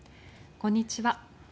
こんにちは。